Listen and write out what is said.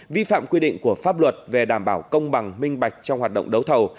vi phạm quy định của pháp luật về đảm bảo công bằng minh bạch trong hoạt động đấu thầu